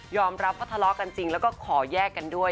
รับว่าทะเลาะกันจริงแล้วก็ขอแยกกันด้วย